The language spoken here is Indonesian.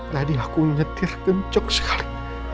tadi aku nyetir kencok sekali